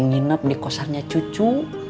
nginap di kosarnya cucu